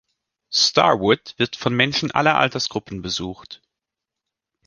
Starwood wird von Menschen aller Altersgruppen besucht.